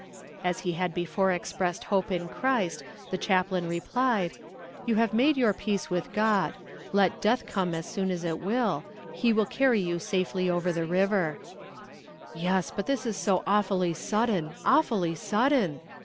As he had before expressed hope in Christ, the chaplain replied: 'You have made your peace with God; let death come as soon as it will, He will carry you safely over the river.' 'Yes; but this is so awfully sudden, awfully sudden!'